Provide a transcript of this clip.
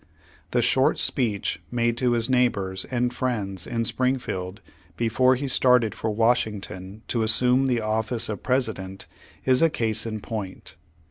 The short speech made to his neighbors and friends in Springfield before he started for Wash ington, to assume the office of President, is a case in point.